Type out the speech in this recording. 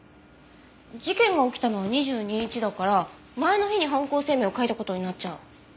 事件が起きたのは２２日だから前の日に犯行声明を書いた事になっちゃう。